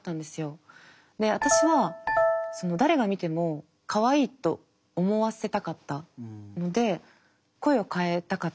で私は誰が見てもかわいいと思わせたかったので声を変えたかった。